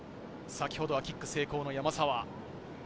先ほどはキック成功の山沢。